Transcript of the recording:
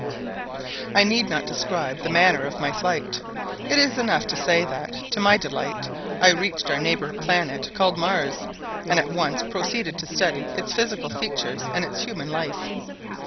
I need not describe the manner of my flight. It is enough to say that, to my delight, I reached our neighbor planet called Mars, and at once proceeded to study its physical features and its human life.